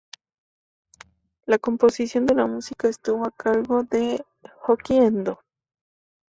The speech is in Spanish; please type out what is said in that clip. La composición de la música estuvo a cargo de Kōji Endō.